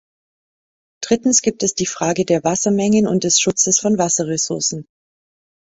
Drittens gibt es die Frage der Wassermengen und des Schutzes von Wasserressourcen.